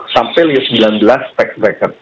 sampai sembilan belas tax bracket